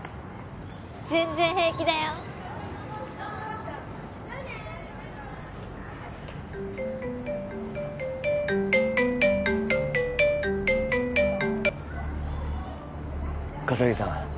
全然平気だよ葛城さん